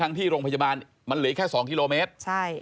ทั้งที่โรงพยาบาลมันเหลือแค่๒กิโลเมตร